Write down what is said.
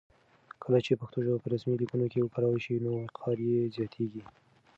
کله چې پښتو ژبه په رسمي لیکونو کې وکارول شي نو وقار یې زیاتېږي.